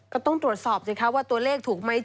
ก็ต้องตรวจสอบสิคะว่าตัวเลขถูกไหม